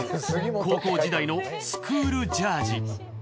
高校時代のスクールジャージ。